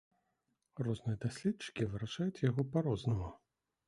Розныя даследчыкі вырашаюць яго па-рознаму.